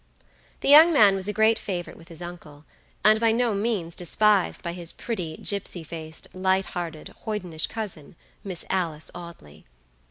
The young man was a great favorite with his uncle, and by no means despised by his pretty, gipsy faced, light hearted, hoydenish cousin, Miss Alicia Audley.